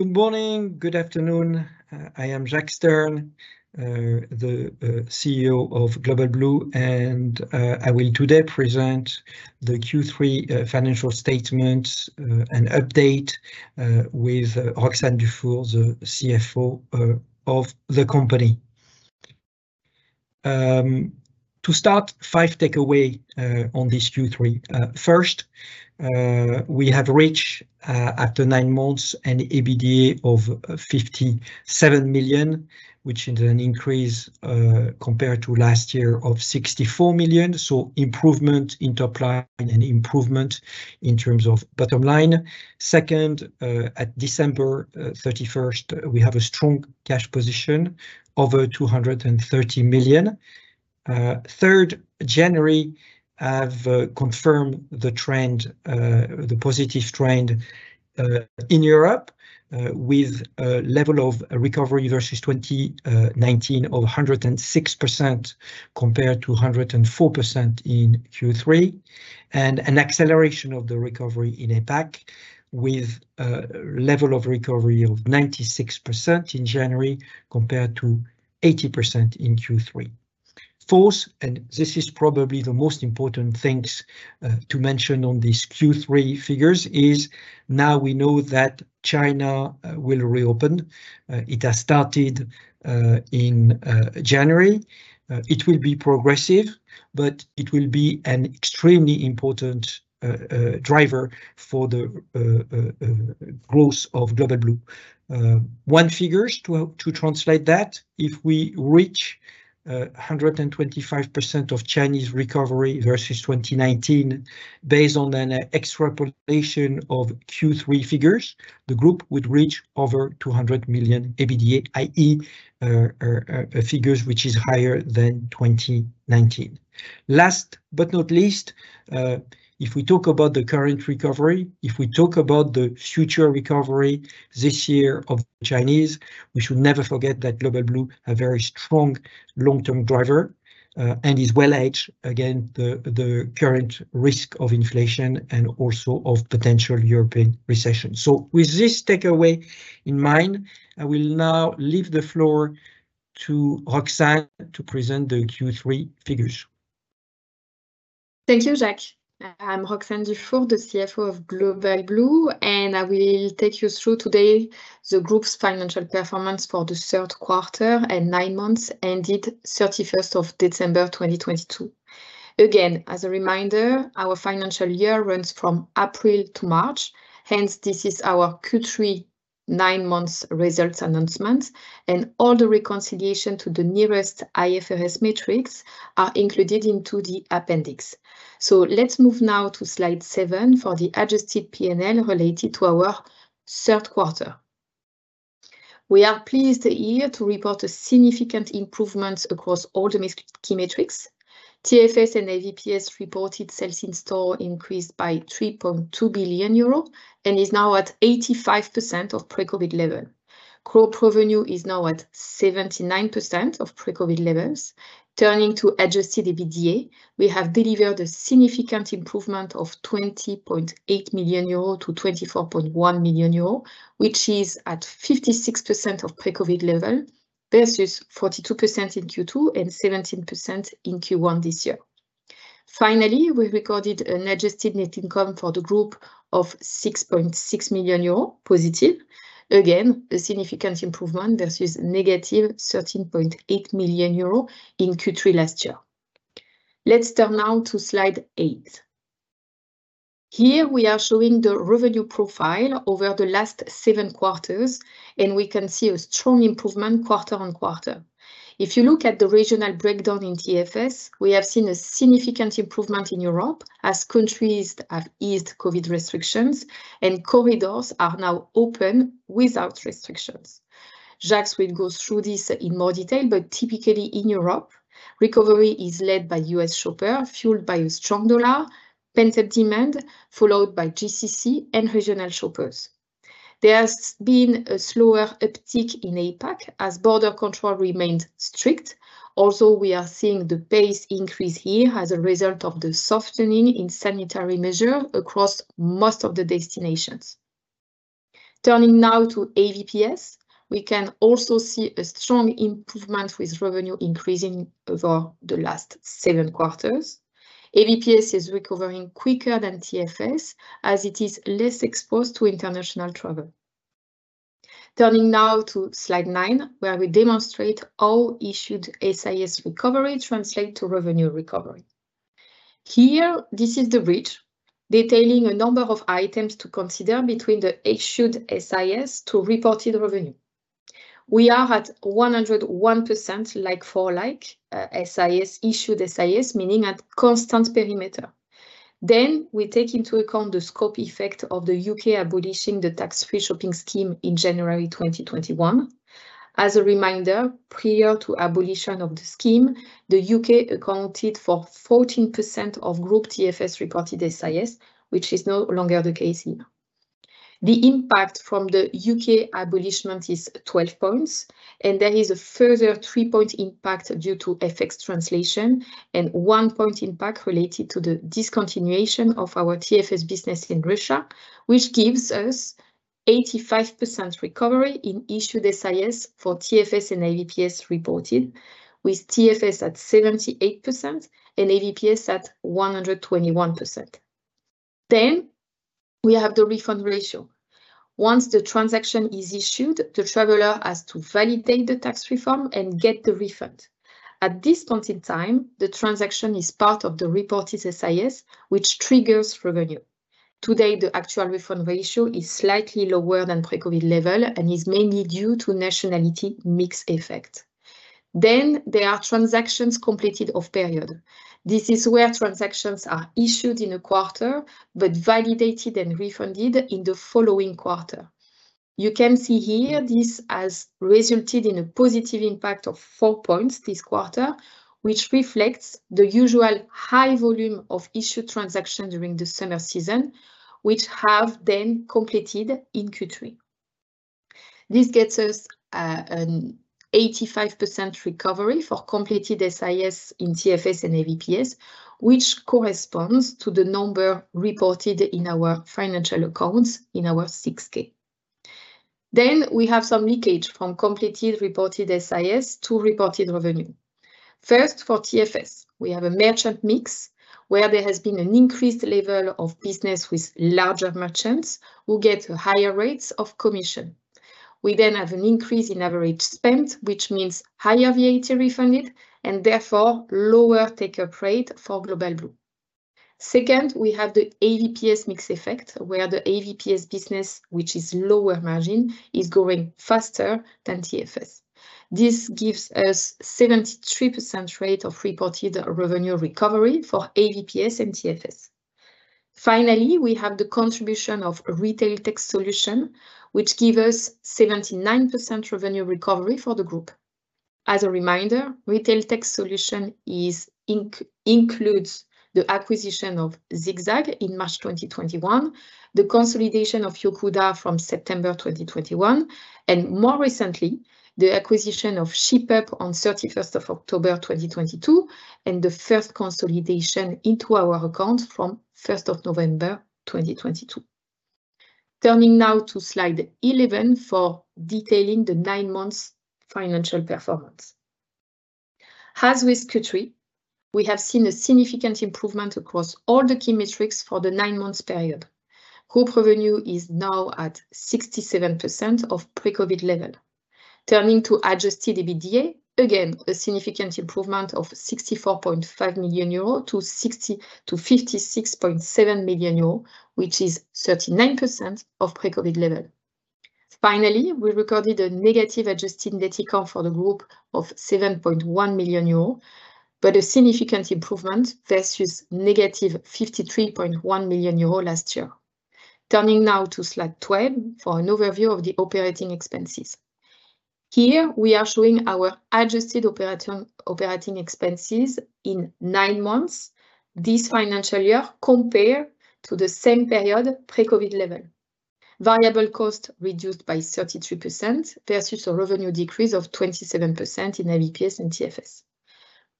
Good morning. Good afternoon. I am Jacques Stern, the CEO of Global Blue, and I will today present the Q3 financial statement and update with Roxane Dufour, the CFO of the company. To start, five takeaway on this Q3. First, we have reached, after nine months, an EBITDA of 57 million, which is an increase compared to last year, of 64 million. Improvement in top line and improvement in terms of bottom line. Second, at December 31st, we have a strong cash position, over 230 million. Third, January have confirmed the trend, the positive trend, in Europe, with a level of recovery versus 2019 of 106% compared to 104% in Q3, and an acceleration of the recovery in APAC with a level of recovery of 96% in January compared to 80% in Q3. Fourth, this is probably the most important things to mention on these Q3 figures, is now we know that China will reopen. It has started in January. It will be progressive, but it will be an extremely important driver for the growth of Global Blue. One figures to translate that, if we reach 125% of Chinese recovery versus 2019 based on an extrapolation of Q3 figures, the group would reach over 200 million EBITDA, i.e., a figures which is higher than 2019. Last but not least, if we talk about the current recovery, if we talk about the future recovery this year of Chinese, we should never forget that Global Blue have very strong long-term driver and is well-hedged against the current risk of inflation and also of potential European recession. With this takeaway in mind, I will now leave the floor to Roxane to present the Q3 figures. Thank you, Jacques. I'm Roxane Dufour, the CFO of Global Blue, I will take you through today the group's financial performance for the third quarter and nine months ended 31st of December 2022. Again, as a reminder, our financial year runs from April to March, hence this is our Q3 nine month results announcement, all the reconciliation to the nearest IFRS metrics are included into the appendix. Let's move now to Slide seven for the adjusted P&L related to our third quarter. We are pleased here to report a significant improvement across all the key metrics. TFS and AVPS reported sales in-store increased by 3.2 billion euro and is now at 85% of pre-COVID level. Group revenue is now at 79% of pre-COVID levels. Turning to Adjusted EBITDA, we have delivered a significant improvement of 20.8 million-24.1 million euros, which is at 56% of pre-COVID level versus 42% in Q2 and 17% in Q1 this year. Finally, we recorded an adjusted net income for the group of 6.6 million euros positive. Again, a significant improvement versus negative 13.8 million euros in Q3 last year. Let's turn now to Slide eight. Here, we are showing the revenue profile over the last seven quarters, and we can see a strong improvement quarter-on-quarter. If you look at the regional breakdown in TFS, we have seen a significant improvement in Europe as countries have eased COVID restrictions and corridors are now open without restrictions. Jacques will go through this in more detail, but typically in Europe, recovery is led by U.S. shopper, fueled by a strong dollar, pent-up demand, followed by GCC and regional shoppers. There's been a slower uptick in APAC, as border control remained strict. We are seeing the pace increase here as a result of the softening in sanitary measure across most of the destinations. Turning now to AVPS, we can also see a strong improvement with revenue increasing over the last seven quarters. AVPS is recovering quicker than TFS, as it is less exposed to international travel. Turning now to Slide nine, where we demonstrate how issued SIS recovery translate to revenue recovery. Here, this is the bridge detailing a number of items to consider between the issued SIS to reported revenue. We are at 101% like-for-like, SIS, issued SIS, meaning at constant perimeter. We take into account the scope effect of the U.K. abolishing the tax-free shopping scheme in January 2021. As a reminder, prior to abolition of the scheme, the U.K. accounted for 14% of group TFS reported SIS, which is no longer the case now. The impact from the U.K. abolishment is 12 points, and there is a further three point impact due to FX translation and one point impact related to the discontinuation of our TFS business in Russia, which gives us 85% recovery in issued SIS for TFS and AVPS reported, with TFS at 78% and AVPS at 121%. We have the refund ratio. Once the transaction is issued, the traveler has to validate the tax reform and get the refund. At this point in time, the transaction is part of the reported SIS, which triggers revenue. Today, the actual refund ratio is slightly lower than pre-COVID level and is mainly due to nationality mix effect. There are transactions completed off period. This is where transactions are issued in a quarter but validated and refunded in the following quarter. You can see here this has resulted in a positive impact of four points this quarter, which reflects the usual high volume of issued transaction during the summer season, which have then completed in Q3. This gets us an 85% recovery for completed SIS in TFS and AVPS, which corresponds to the number reported in our financial accounts in our 6-K. We have some leakage from completed reported SIS to reported revenue. First, for TFS, we have a merchant mix where there has been an increased level of business with larger merchants who get higher rates of commission. We have an increase in average spend, which means higher VAT refunded and therefore lower take-up rate for Global Blue. We have the AVPS mix effect where the AVPS business, which is lower margin, is growing faster than TFS. This gives us 73% rate of reported revenue recovery for AVPS and TFS. We have the contribution of RetailTech Solution, which give us 79% revenue recovery for the group. As a reminder, RetailTech Solution includes the acquisition of ZigZag in March 2021, the consolidation of Yocuda from September 2021, and more recently, the acquisition of Shipup on 31st of October 2022 and the first consolidation into our accounts from 1st of November 2022. Turning now to slide 11 for detailing the nine months financial performance. As with Q3, we have seen a significant improvement across all the key metrics for the nine months period. Group revenue is now at 67% of pre-COVID level. Turning to Adjusted EBITDA, again, a significant improvement of 64.5 million-56.7 million euro, which is 39% of pre-COVID level. We recorded a negative adjusted net income for the group of 7.1 million euro, but a significant improvement versus -53.1 million euro last year. Turning now to slide 12 for an overview of the operating expenses. Here we are showing our adjusted operating expenses in nine months this financial year compared to the same period pre-COVID level. Variable cost reduced by 33% versus a revenue decrease of 27% in AVPS and TFS.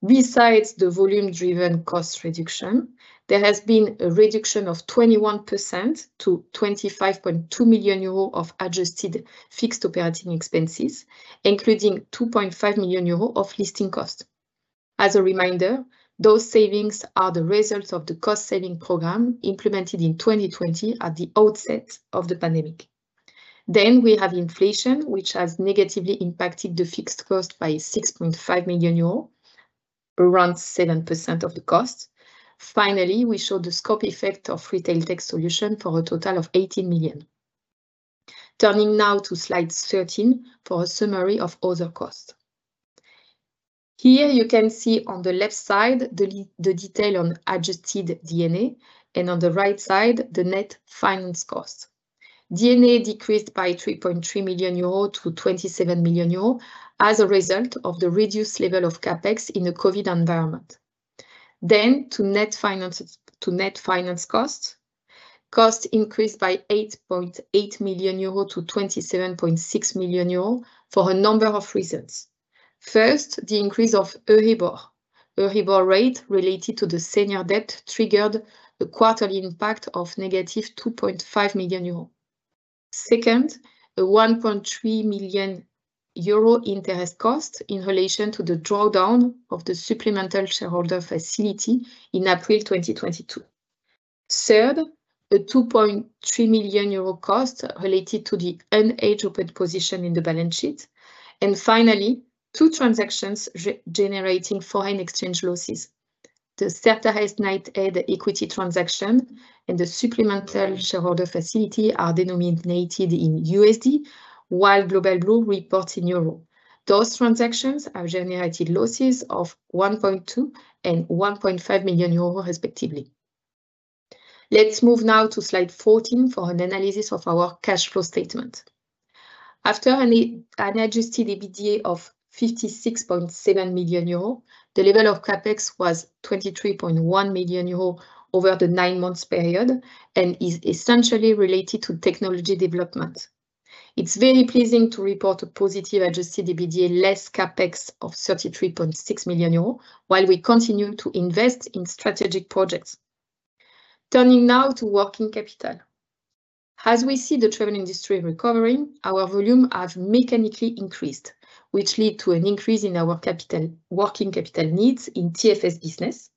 Besides the volume-driven cost reduction, there has been a reduction of 21% to 25.2 million euros of adjusted fixed operating expenses, including 2.5 million euros of listing cost. As a reminder, those savings are the result of the cost-saving program implemented in 2020 at the outset of the pandemic. We have inflation, which has negatively impacted the fixed cost by 6.5 million euros, around 7% of the cost. Finally, we show the scope effect of RetailTech Solutions for a total of 18 million. Turning now to slide 13 for a summary of other costs. Here you can see on the left side the detail on adjusted D&A and on the right side, the net finance cost. D&A decreased by 3.3 million euros to 27 million euros as a result of the reduced level of CapEx in the COVID environment. To net finance costs. Costs increased by 8.8 million euro to 27.6 million euro for a number of reasons. First, the increase of Euribor. Euribor rate related to the senior debt triggered the quarterly impact of -2.5 million euros. Second, a 1.3 million euro interest cost in relation to the drawdown of the supplemental shareholder facility in April 2022. Third, a 2.3 million euro cost related to the unhedged open position in the balance sheet. Finally, two transactions re-generating foreign exchange losses. The Certares and Knighthead equity transaction and the supplemental shareholder facility are denominated in USD, while Global Blue reports in euro. Those transactions have generated losses of 1.2 million and 1.5 million euros respectively. Let's move now to slide 14 for an analysis of our cash flow statement. After an Adjusted EBITDA of 56.7 million euros, the level of CapEx was 23.1 million euros over the nine months period and is essentially related to technology development. It's very pleasing to report a positive Adjusted EBITDA less CapEx of 33.6 million euros, while we continue to invest in strategic projects. Turning now to working capital. As we see the travel industry recovering, our volume have mechanically increased, which lead to an increase in our capital, working capital needs in TFS business.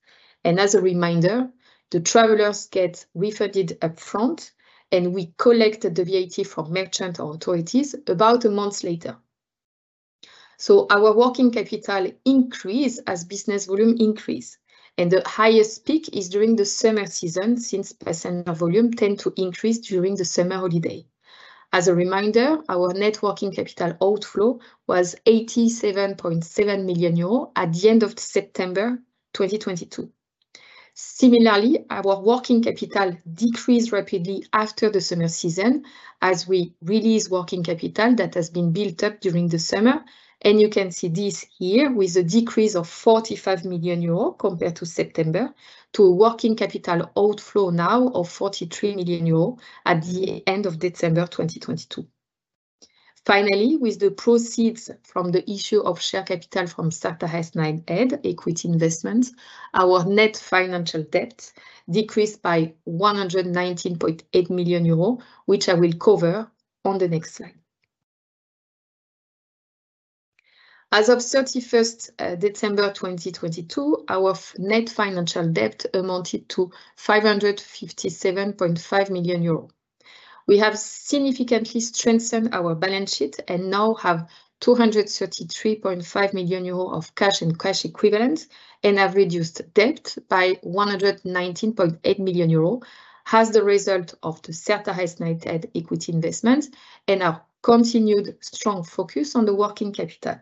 As a reminder, the travelers get refunded upfront, and we collect the VAT from merchant authorities about a month later. Our working capital increase as business volume increase, and the highest peak is during the summer season since passenger volume tend to increase during the summer holiday. As a reminder, our net working capital outflow was 87.7 million euros at the end of September 2022. Similarly, our working capital decreased rapidly after the summer season as we release working capital that has been built up during the summer. You can see this here with a decrease of 45 million euro compared to September, to a working capital outflow now of 43 million euro at the end of December 2022. Finally, with the proceeds from the issue of share capital from Certares and Knighthead equity investments, our net financial debt decreased by 119.8 million euros, which I will cover on the next slide. As of 31st December 2022, our net financial debt amounted to 557.5 million euro. We have significantly strengthened our balance sheet and now have 233.5 million euro of cash and cash equivalents, and have reduced debt by 119.8 million euro as the result of the Certares and Knighthead equity investment and our continued strong focus on the working capital.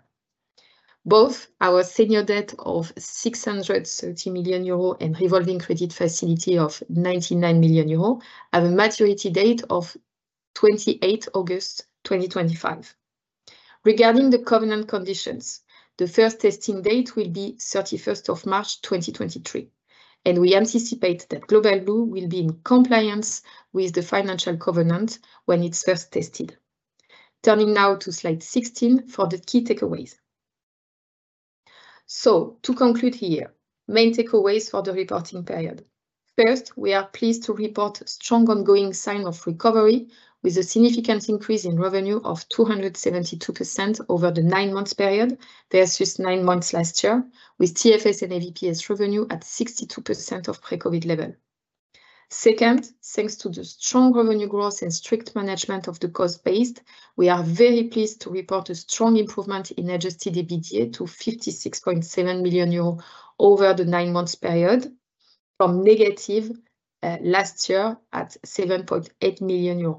Both our senior debt of 630 million euro and revolving credit facility of 99 million euro have a maturity date of 28 August 2025. Regarding the covenant conditions, the first testing date will be 31st of March 2023, and we anticipate that Global Blue will be in compliance with the financial covenant when it's first tested. Turning now to slide 16 for the key takeaways. To conclude here, main takeaways for the reporting period. First, we are pleased to report strong ongoing sign of recovery with a significant increase in revenue of 272% over the nine-month period versus nine months last year, with TFS and AVPS revenue at 62% of pre-COVID level. Second, thanks to the strong revenue growth and strict management of the cost base, we are very pleased to report a strong improvement in adjusted EBITDA to €56.7 million over the nine months period, from negative last year at €7.8 million.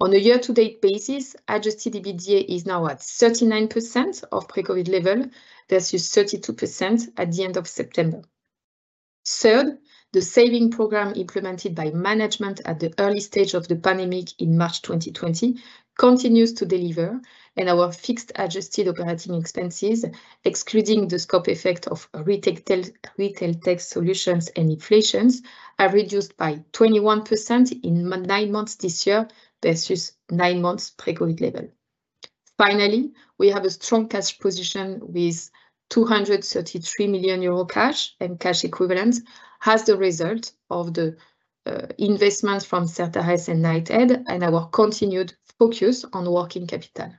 On a year-to-date basis, adjusted EBITDA is now at 39% of pre-COVID level versus 32% at the end of September. Third, the saving program implemented by management at the early stage of the pandemic in March 2020 continues to deliver, and our fixed adjusted operating expenses, excluding the scope effect of RetailTech Solutions and inflations, are reduced by 21% in nine months this year versus nine months pre-COVID level. Finally, we have a strong cash position with 233 million euro cash and cash equivalents as the result of the investments from Certares and Knighthead and our continued focus on working capital.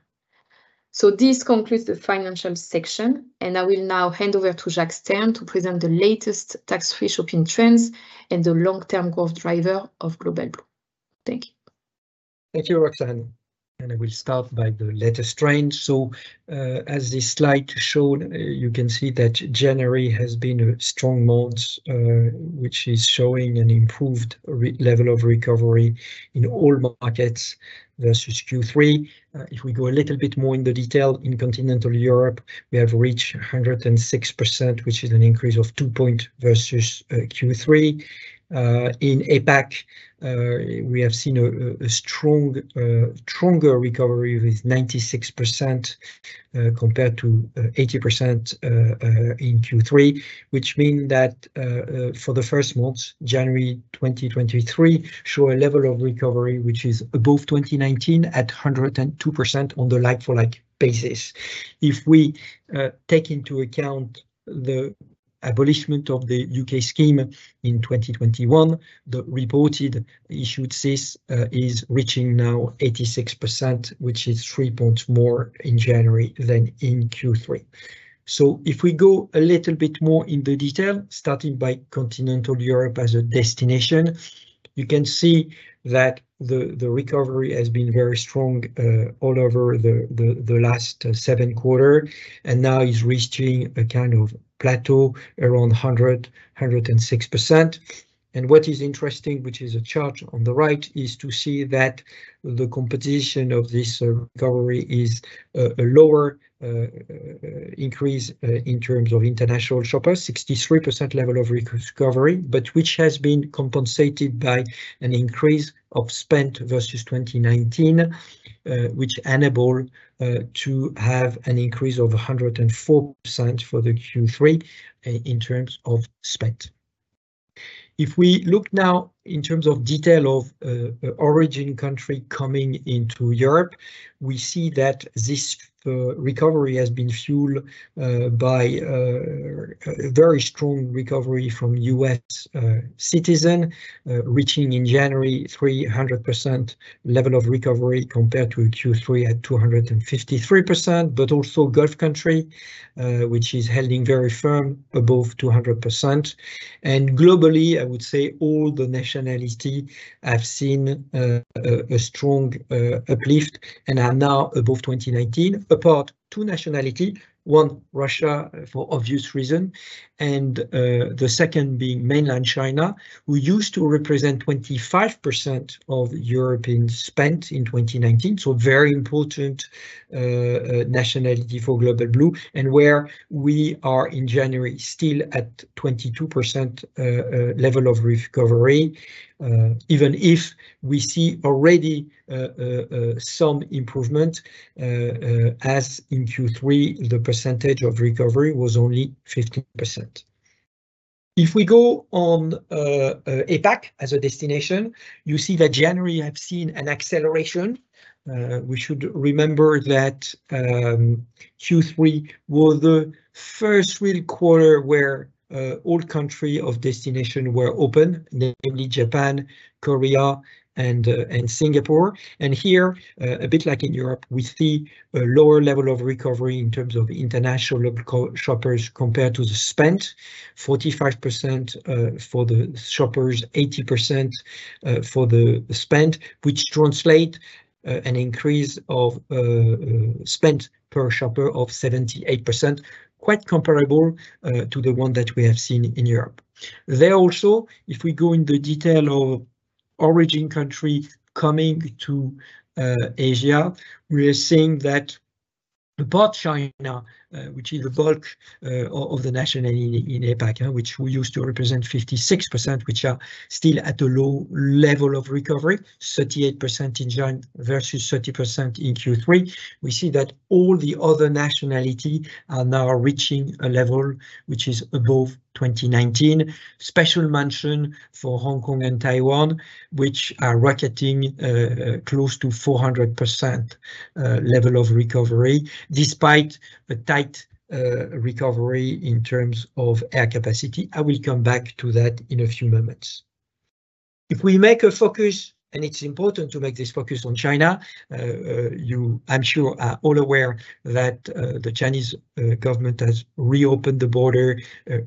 This concludes the financial section, and I will now hand over to Jacques Stern to present the latest tax-free shopping trends and the long-term growth driver of Global Blue. Thank you. Thank you, Roxane. I will start by the latest trend. So, as this slide show, you can see that January has been a strong month, which is showing an improved level of recovery in all markets versus Q3. If we go a little bit more in the detail, in Continental Europe, we have reached 106%, which is an increase of two point versus Q3. In APAC, we have seen a stronger recovery with 96%, compared to 80% in Q3, which mean that for the first month, January 2023 show a level of recovery which is above 2019 at 102% on the like-for-like basis. If we take into account the abolishment of the U.K. scheme in 2021, the reported issued SIS is reaching now 86%, which is three points more in January than in Q3. If we go a little bit more in the detail, starting by Continental Europe as a destination, you can see that the recovery has been very strong, all over the last seven quarter, and now is reaching a kind of plateau around 100%-106%. What is interesting, which is a chart on the right, is to see that the competition of this recovery is a lower increase in terms of international shoppers, 63% level of recovery, but which has been compensated by an increase of spend versus 2019, which enable to have an increase of 104% for the Q3 in terms of spend. We look now in terms of detail of origin country coming into Europe, we see that this recovery has been fueled by a very strong recovery from U.S. citizen, reaching in January 300% level of recovery compared to Q3 at 253%, but also Gulf country, which is holding very firm above 200%. Globally, I would say all the nationality have seen a strong uplift and are now above 2019. Apart two nationality, one Russia for obvious reason, and the second being mainland China, who used to represent 25% of European spend in 2019. Very important nationality for Global Blue, and where we are in January still at 22% level of recovery, even if we see already some improvement as in Q3, the percentage of recovery was only 15%. If we go on APAC as a destination, you see that January have seen an acceleration. We should remember that Q3 was the first real quarter where all country of destination were open, namely Japan, Korea, and Singapore. Here, a bit like in Europe, we see a lower level of recovery in terms of international local shoppers compared to the spend. 45% for the shoppers, 80% for the spend, which translate an increase of spend per shopper of 78%, quite comparable to the one that we have seen in Europe. There also, if we go in the detail of origin country coming to Asia, we are seeing that apart China, which is the bulk of the nationality in APAC, which we used to represent 56%, which are still at a low level of recovery, 38% in January versus 30% in Q3. We see that all the other nationality are now reaching a level which is above 2019. Special mention for Hong Kong and Taiwan, which are rocketing close to 400% level of recovery, despite the tight recovery in terms of air capacity. I will come back to that in a few moments. If we make a focus, and it's important to make this focus on China, you, I'm sure are all aware that the Chinese government has reopened the border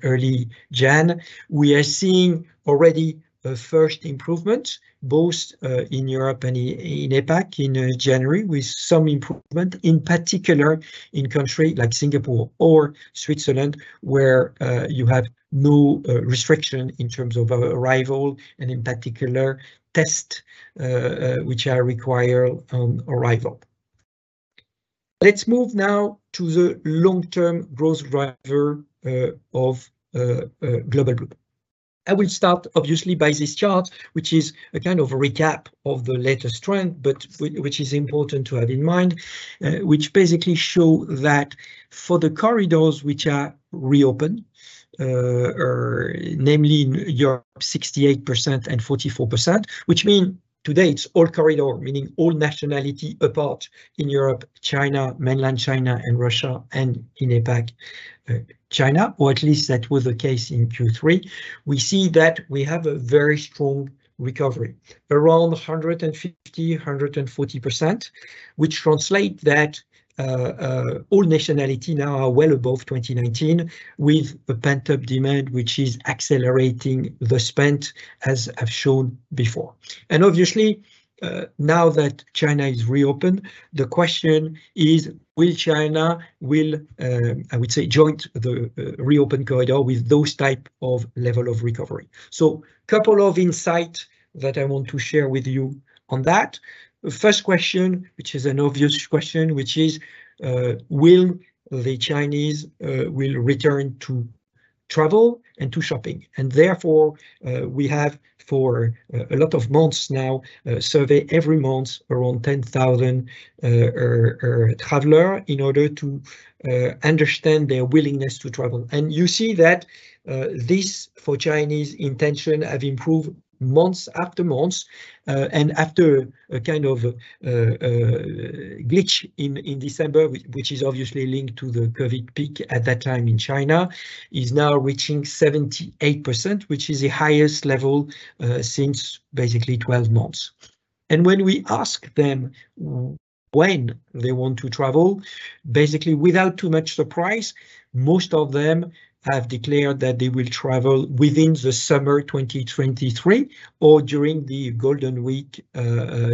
early January. We are seeing already a first improvement, both in Europe and in APAC in January, with some improvement, in particular in country like Singapore or Switzerland, where you have no restriction in terms of arrival and in particular test which are required on arrival. Let's move now to the long-term growth driver of Global Blue. I will start obviously by this chart, which is a kind of a recap of the latest trend, but which is important to have in mind, which basically show that for the corridors which are reopen, namely in Europe 68% and 44%, which mean today it's all corridor, meaning all nationality apart in Europe, China, mainland China and Russia, and in APAC, China, or at least that was the case in Q3. We see that we have a very strong recovery, around 150, 140%, which translate that, all nationality now are well above 2019, with a pent-up demand which is accelerating the spend, as I've shown before. Obviously, now that China is reopened, the question is will China, I would say, join the reopen corridor with those type of level of recovery? Couple of insight that I want to share with you on that. First question, which is an obvious question, which is, will the Chinese return to travel and to shopping? Therefore, we have for a lot of months now, survey every month around 10,000 traveler in order to understand their willingness to travel. You see that this, for Chinese intention, have improved months after months. After a kind of glitch in December, which is obviously linked to the COVID peak at that time in China, is now reaching 78%, which is the highest level since basically 12 months. When we ask them when they want to travel, basically without too much surprise, most of them have declared that they will travel within the summer 2023 or during the Golden Week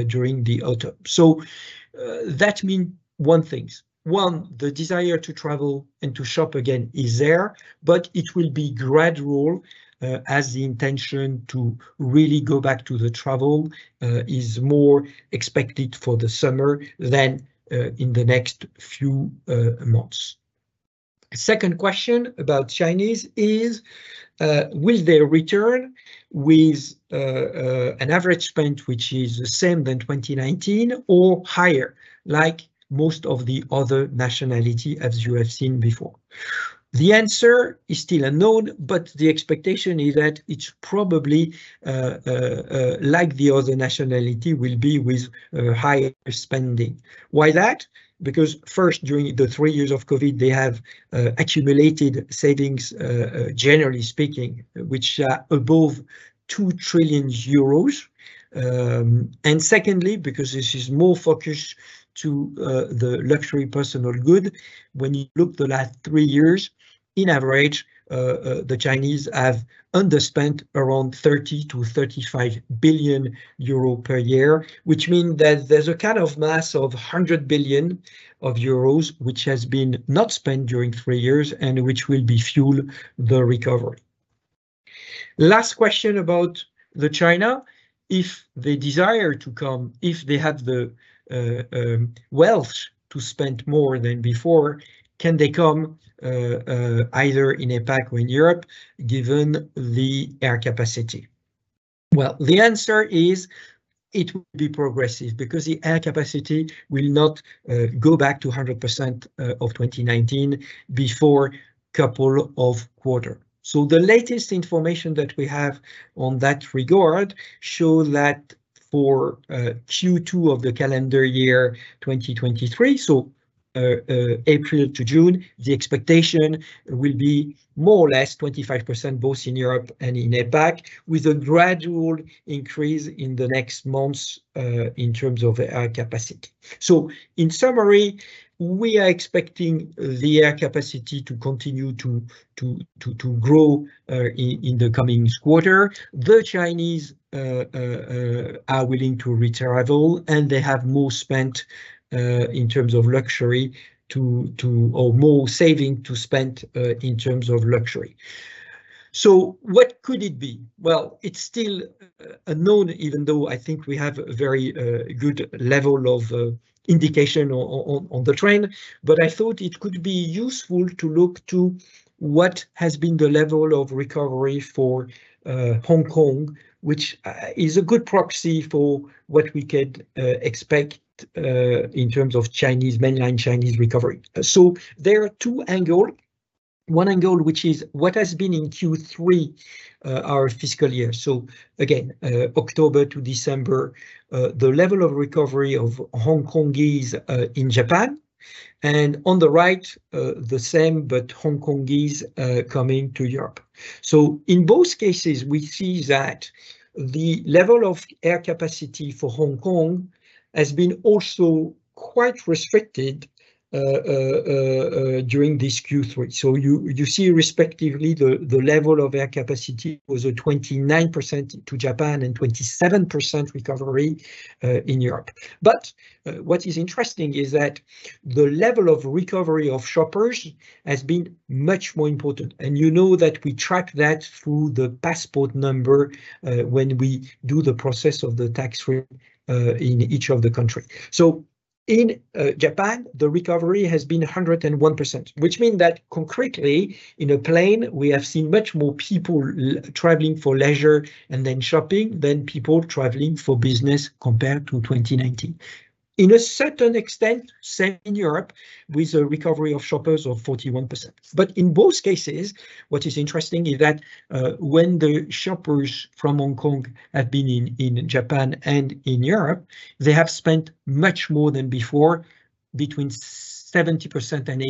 during the autumn. That mean one things. One, the desire to travel and to shop again is there, but it will be gradual as the intention to really go back to the travel is more expected for the summer than in the next few months. Second question about Chinese is, will they return with an average spend which is the same than 2019 or higher, like most of the other nationality, as you have seen before? The answer is still unknown, but the expectation is that it's probably like the other nationality will be with higher spending. Why that? Because first, during the three years of COVID, they have accumulated savings, generally speaking, which are above 2 trillion euros. Secondly, because this is more focused to the luxury personal good, when you look the last three years, in average, the Chinese have underspent around 30 billion-35 billion euro per year, which mean that there's a kind of mass of 100 billion euros, which has been not spent during three years and which will be fuel the recovery. Last question about the China. If they desire to come, if they had the wealth to spend more than before, can they come either in APAC or in Europe, given the air capacity? The answer is it will be progressive because the air capacity will not go back to 100% of 2019 before couple of quarter. The latest information that we have on that regard show that for Q2 of the calendar year, 2023, April to June, the expectation will be more or less 25% both in Europe and in APAC, with a gradual increase in the next months in terms of air capacity. In summary, we are expecting the air capacity to continue to grow in the comings quarter. The Chinese are willing to re-travel, and they have more spent in terms of luxury or more saving to spend in terms of luxury. What could it be? Well, it's still unknown, even though I think we have a very good level of indication on the trend. I thought it could be useful to look to what has been the level of recovery for Hong Kong, which is a good proxy for what we could expect in terms of Chinese, mainland Chinese recovery. There are two angle. One angle which is what has been in Q3, our fiscal year. Again, October to December, the level of recovery of Hongkongers in Japan. On the right, the same, but Hongkongers coming to Europe. In both cases, we see that the level of air capacity for Hong Kong has been also quite restricted during this Q3. You see respectively the level of air capacity was a 29% to Japan and 27% recovery in Europe. What is interesting is that the level of recovery of shoppers has been much more important, and you know that we track that through the passport number when we do the process of the tax free in each of the country. In Japan, the recovery has been 101%, which mean that concretely in a plane we have seen much more people traveling for leisure and then shopping than people traveling for business compared to 2019. In a certain extent, same in Europe with a recovery of shoppers of 41%. In both cases, what is interesting is that when the shoppers from Hong Kong have been in Japan and in Europe, they have spent much more than before, between 70% and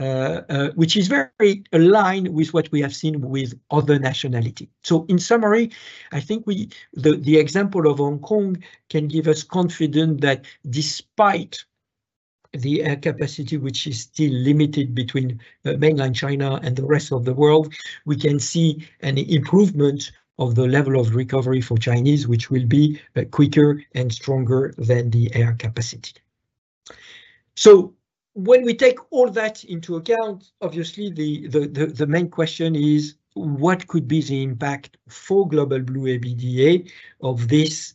80%, which is very aligned with what we have seen with other nationality. In summary, I think the example of Hong Kong can give us confident that despite the air capacity, which is still limited between mainland China and the rest of the world, we can see an improvement of the level of recovery for Chinese, which will be quicker and stronger than the air capacity. When we take all that into account, obviously the main question is what could be the impact for Global Blue EBITDA of this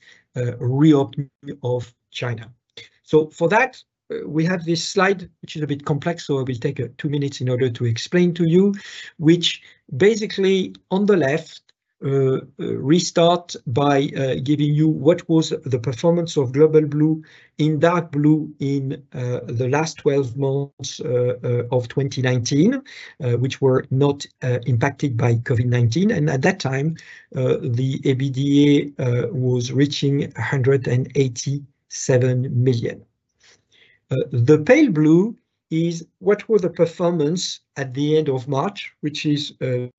reopening of China? For that, we have this slide, which is a bit complex, so I will take 2 minutes in order to explain to you, which basically on the left restart by giving you what was the performance of Global Blue in dark blue in the last 12 months of 2019, which were not impacted by COVID-19. At that time, the EBITDA was reaching 187 million. The pale blue is what was the performance at the end of March, which is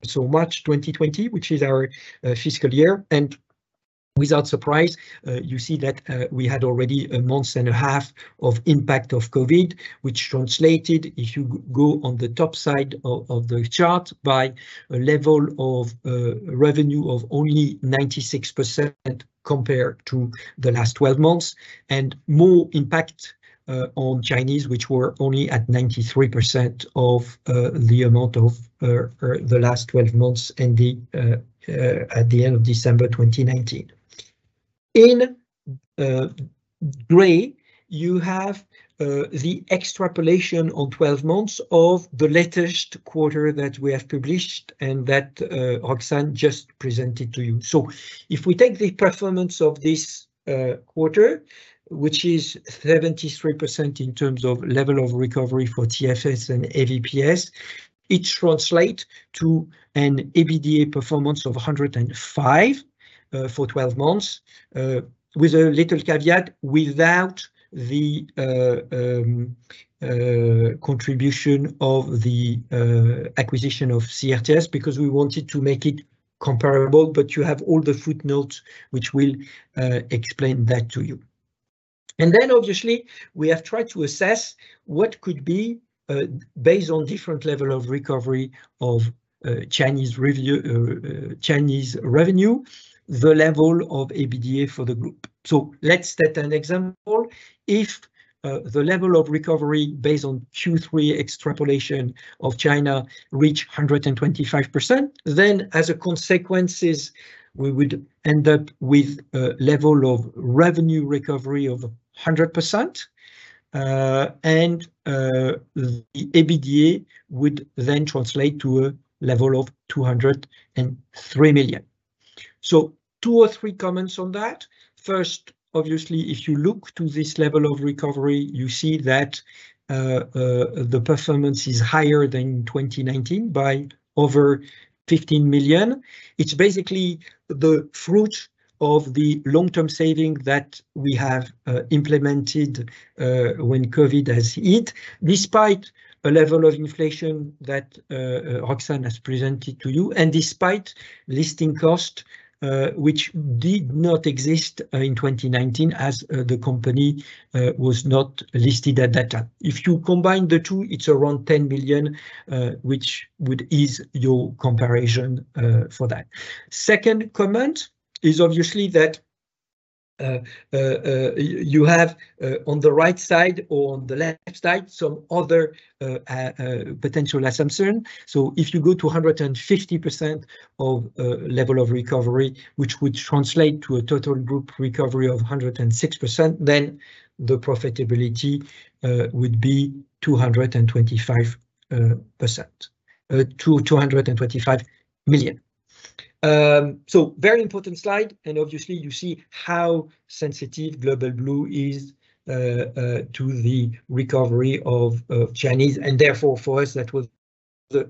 so March 2020, which is our fiscal year. Without surprise, you see that we had already a month and a half of impact of COVID, which translated if you go on the top side of the chart by a level of revenue of only 96% compared to the last 12 months, and more impact on Chinese, which were only at 93% of the amount of the last 12 months and at the end of December 2019. In gray you have the extrapolation on 12 months of the latest quarter that we have published, and that Roxane just presented to you. If we take the performance of this quarter, which is 73% in terms of level of recovery for TFS and AVPS, it translate to an EBITDA performance of 105 for 12 months. With a little caveat, without the contribution of the acquisition of Certares, because we wanted to make it comparable. You have all the footnotes which will explain that to you. Obviously, we have tried to assess what could be based on different level of recovery of Chinese revenue, the level of EBITDA for the group. Let's state an example. If the level of recovery based on Q3 extrapolation of China reach 125%, then as a consequences, we would end up with a level of revenue recovery of 100%, and the EBITDA would then translate to a level of 203 million. Two or three comments on that. First, obviously, if you look to this level of recovery, you see that the performance is higher than 2019 by over 15 million. It's basically the fruit of the long-term saving that we have implemented when COVID has hit, despite a level of inflation that Roxane has presented to you, and despite listing cost which did not exist in 2019 as the company was not listed at that time. If you combine the two, it's around 10 billion, which would ease your comparison for that. Second comment is obviously that you have on the right side or on the left side some other potential assumption. If you go to 150% of level of recovery, which would translate to a total group recovery of 106%, the profitability would be 225%, 225 million. Very important slide, obviously you see how sensitive Global Blue is to the recovery of Chinese and therefore for us that was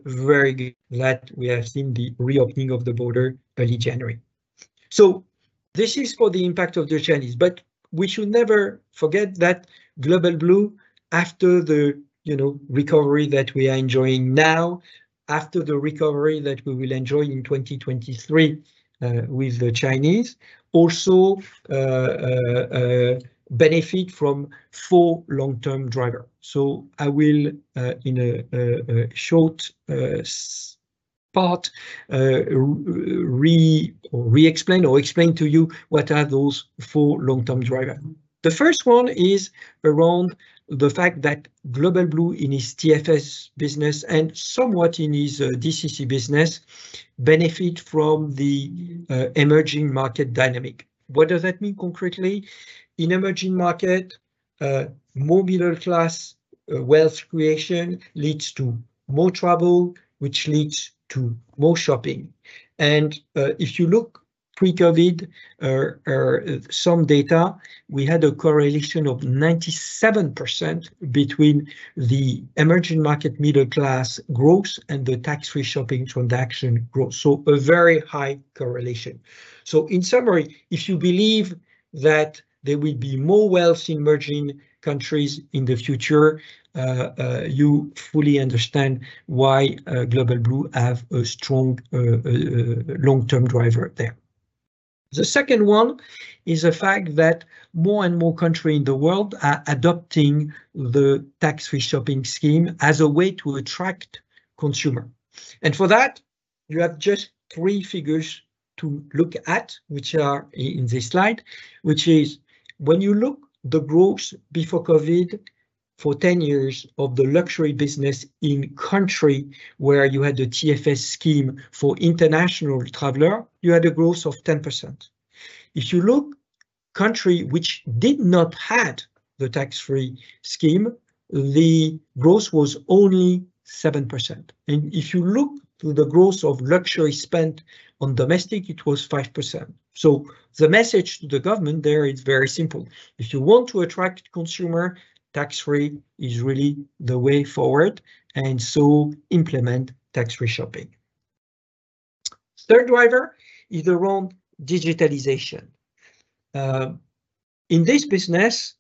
very glad we have seen the reopening of the border early January. This is for the impact of the Chinese, we should never forget that Global Blue after the, you know, recovery that we are enjoying now, after the recovery that we will enjoy in 2023, with the Chinese, also benefit from four long-term driver. I will in a short part explain to you what are those four long-term driver. The first one is around the fact that Global Blue in its TFS business and somewhat in its DCC business benefit from the emerging market dynamic. What does that mean concretely? In emerging market, middle-class wealth creation leads to more travel, which leads to more shopping. If you look pre-COVID, some data, we had a correlation of 97% between the emerging market middle-class growth and the tax-free shopping transaction growth. A very high correlation. In summary, if you believe that there will be more wealth in emerging countries in the future, you fully understand why Global Blue have a strong long-term driver there. The second one is the fact that more and more country in the world are adopting the tax-free shopping scheme as a way to attract consumer. For that, you have just three figures to look at, which are in this slide, which is when you look the growth before COVID for 10 years of the luxury business in country where you had the TFS scheme for international traveler, you had a growth of 10%. If you look country which did not had the tax-free scheme, the growth was only 7%. If you look to the growth of luxury spent on domestic, it was 5%. The message to the government there is very simple. If you want to attract consumer, tax-free is really the way forward, implement tax-free shopping. Third driver is around digitalization. In this business,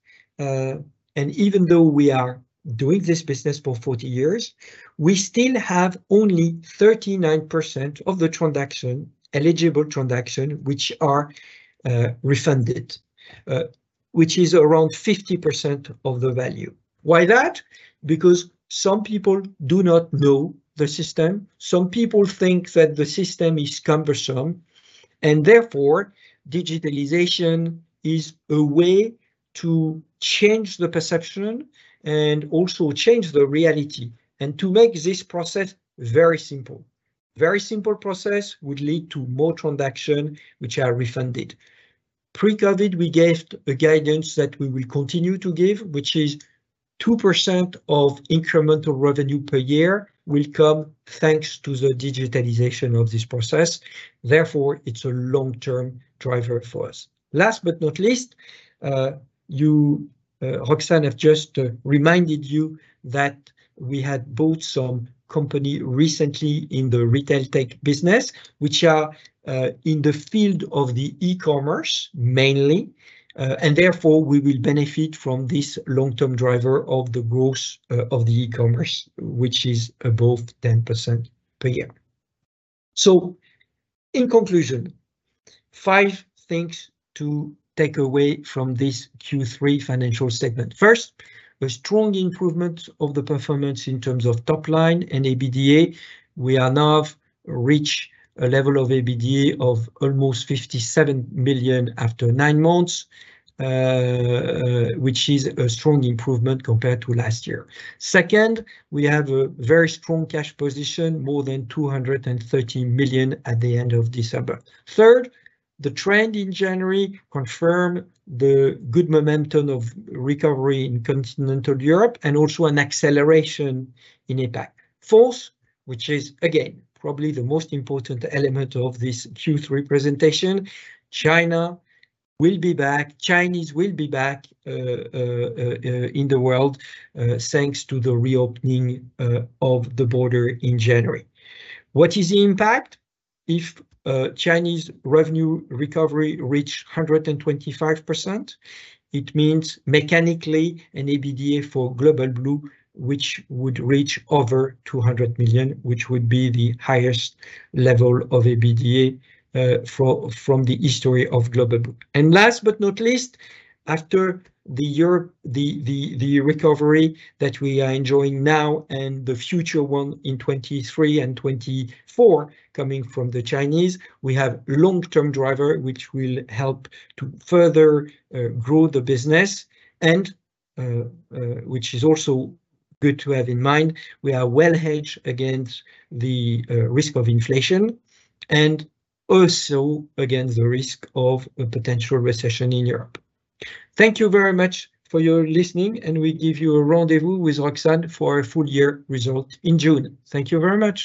even though we are doing this business for 40 years, we still have only 39% of the transaction, eligible transaction, which are refunded, which is around 50% of the value. Why that? Some people do not know the system. Some people think that the system is cumbersome. Therefore, digitalization is a way to change the perception and also change the reality and to make this process very simple. Very simple process would lead to more transaction which are refunded. Pre-COVID, we gave a guidance that we will continue to give, which is 2% of incremental revenue per year will come thanks to the digitalization of this process, therefore, it's a long-term driver for us. Last but not least, you Roxane have just reminded you that we had bought some company recently in the retail tech business which are in the field of the e-commerce mainly. Therefore, we will benefit from this long-term driver of the growth of the e-commerce, which is above 10% per year. In conclusion, five things to take away from this Q3 financial statement. First, a strong improvement of the performance in terms of top line and EBITDA. We are now reach a level of EBITDA of almost 57 million after nine months, which is a strong improvement compared to last year. Second, we have a very strong cash position, more than 230 million at the end of December. Third, the trend in January confirm the good momentum of recovery in continental Europe and also an acceleration in impact. Fourth, which is again probably the most important element of this Q3 presentation, China will be back, Chinese will be back in the world, thanks to the reopening of the border in January. What is the impact if Chinese revenue recovery reach 125%? It means mechanically an EBITDA for Global Blue which would reach over 200 million, which would be the highest level of EBITDA from the history of Global Blue. Last but not least, after the Europe, the recovery that we are enjoying now and the future one in 2023 and 2024 coming from the Chinese, we have long-term driver, which will help to further grow the business and which is also good to have in mind, we are well hedged against the risk of inflation and also against the risk of a potential recession in Europe. Thank you very much for your listening. We give you a rendezvous with Roxane for a full year result in June. Thank you very much.